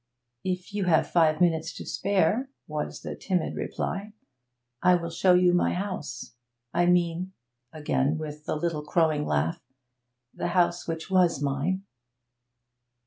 'If you have five minutes to spare,' was the timid reply, 'I will show you my house. I mean' again the little crowing laugh 'the house which was mine.'